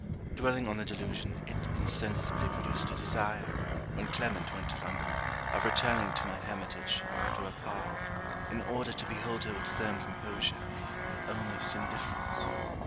Dwelling on the delusion, it insensibly produced a desire, when Clement went to London, of returning to my hermitage, to her park, in order to behold her with firm composure, with almost indifference.